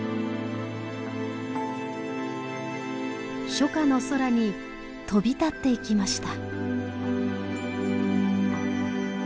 初夏の空に飛び立っていきました。